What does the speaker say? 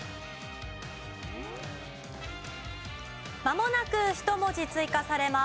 まもなく１文字追加されます。